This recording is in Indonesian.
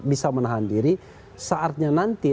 bisa menahan diri saatnya nanti